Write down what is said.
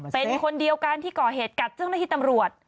เป็นคนเดียวกันที่ก่อเหตุกัดเจ้าหน้าที่ตำรวจ